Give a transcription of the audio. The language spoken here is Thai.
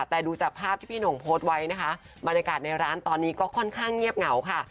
แต่ดูจากภาพที่พี่หน่งโพสต์ไว้นะคะบรรยากาศในร้านตอนนี้ก็ค่อนข้างเงียบเหงาค่ะ